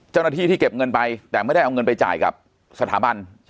เจ้าหน้าที่ที่เก็บเงินไปไม่ได้เอาเงินไปจ่ายกับสถาบัน